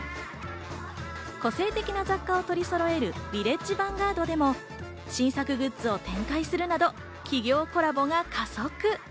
個性的な雑貨を取りそろえるヴィレッジヴァンガードでも新作グッズを展開するなど、企業のコラボが加速。